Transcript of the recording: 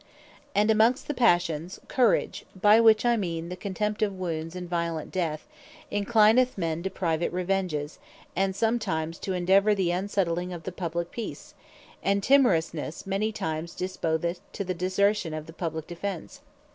And amongst the Passions, Courage, (by which I mean the Contempt of Wounds, and violent Death) enclineth men to private Revenges, and sometimes to endeavour the unsetling of the Publique Peace; And Timorousnesse, many times disposeth to the desertion of the Publique Defence.